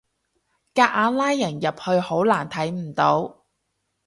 夾硬拉人入去好難睇唔到